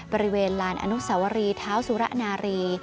บริเวณลานอนุสวรีเท้าสุระนารี